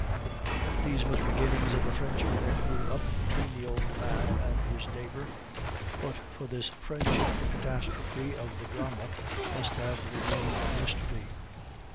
These were the beginnings of a friendship that grew up between the old man and his neighbor; but for this friendship the catastrophe of the drama must have remained a mystery.